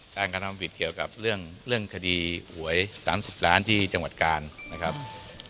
การกระทำผิดเกี่ยวกับเรื่องคดีหวย๓๐ล้านที่จังหวัดกาลนะครับ